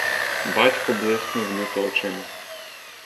Батько блиснув люто очима.